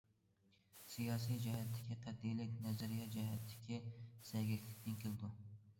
سىياسىي جەھەتتىكى قەتئىيلىك نەزەرىيە جەھەتتىكى سەگەكلىكتىن كېلىدۇ.